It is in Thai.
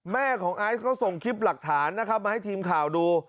แม่ของไอซ์ก็ส่งคลิปหลักฐานนะครับมาให้ทีมข่าวดู